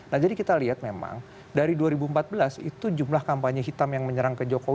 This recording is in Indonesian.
nah jadi kita lihat memang dari dua ribu empat belas itu jumlah kampanye hitam yang menyerang ke jokowi